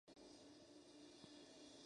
El hermano de Dña.